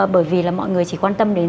bởi vì là mọi người chỉ quan tâm đến